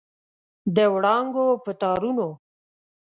د وړانګو په تارونو